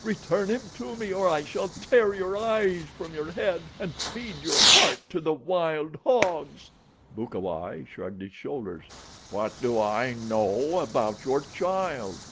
Return him to me or I shall tear your eyes from your head and feed your heart to the wild hogs." Bukawai shrugged his shoulders. "What do I know about your child?"